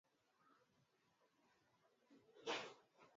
hatimaye kuuzwa mwaka elfu moja mia nane tisini